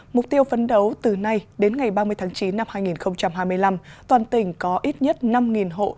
mục tiêu phấn đấu từ nay đến ngày ba mươi tháng chín năm hai nghìn hai mươi năm toàn tỉnh có ít nhất năm hộ